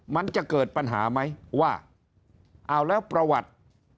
มันจะเกิดปัญหาไหมว่าเอาแล้วประวัติ